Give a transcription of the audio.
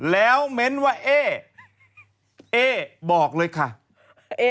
แล้วเม้นส์ว่าเอ๊บอกเลยครับ